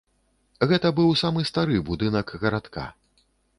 Гэта быў самы стары будынак гарадка.